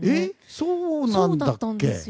そうなんだっけ？